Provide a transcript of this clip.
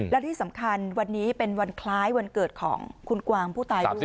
และที่สำคัญวันนี้เป็นวันคล้ายวันเกิดของคุณกวางผู้ตายด้วย